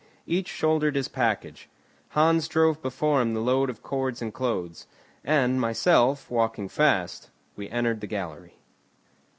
Each shouldered his package. Hans drove before him the load of cords and clothes; and, myself walking last, we entered the gallery.